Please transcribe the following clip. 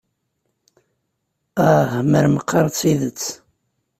Ah, mer meqqar d tidet!